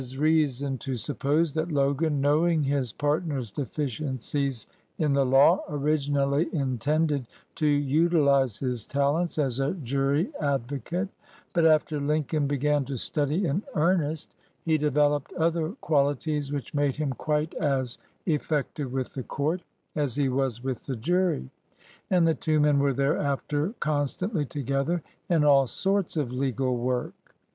There is reason to suppose that Logan, know ing his partner's deficiencies in the law, origin ally intended to utilize his talents as a jury advo cate; but after Lincoln began to study in earn est, he developed other qualities which made him quite as effective with the court as he was with the jury, and the two men were thereafter con stantly together in all sorts of legal work.